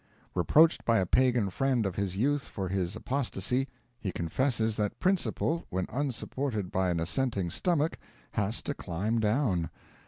Reproached by a pagan friend of his youth for his apostasy, he confesses that principle, when unsupported by an assenting stomach, has to climb down.